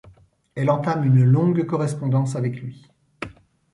Elle entame une longue correspondance avec lui.